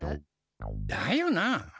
だよな！